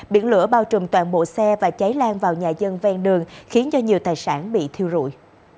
biển lửa bao trùm toàn bộ xe và cháy lan vào nhà dân ven đường khiến cho nhiều tài sản bị thiêu rụi